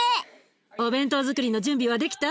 お弁当づくりの準備はできた？